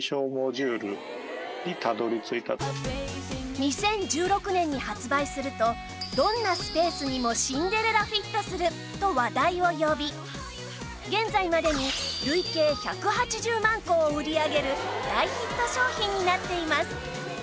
２０１６年に発売するとどんなスペースにもシンデレラフィットすると話題を呼び現在までに累計１８０万個を売り上げる大ヒット商品になっています